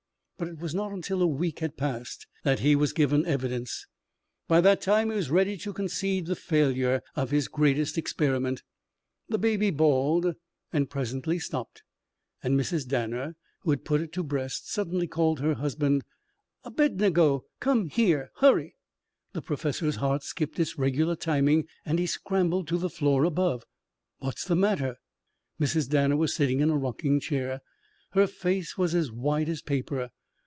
But it was not until a week had passed that he was given evidence. By that time he was ready to concede the failure of his greatest experiment. The baby bawled and presently stopped. And Mrs. Danner, who had put it to breast, suddenly called her husband. "Abednego! Come here! Hurry!" The professor's heart skipped its regular timing and he scrambled to the floor above. "What's the matter?" Mrs. Danner was sitting in a rocking chair. Her face was as white as paper.